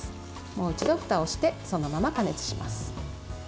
もう一度ふたをしてそのまま加熱します。